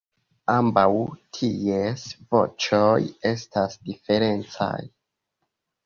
Ambaŭ ties voĉoj estas diferencaj.